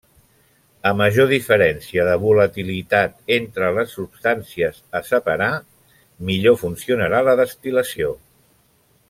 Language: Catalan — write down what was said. A major diferència de volatilitat entre les substàncies a separar millor funcionarà la destil·lació.